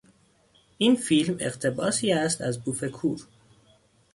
این فیلم اقتباسی است از بوف کور.